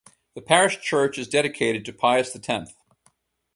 The Parish Church is dedicated to Pius the Tenth.